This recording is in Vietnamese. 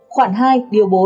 khoảng hai điều bốn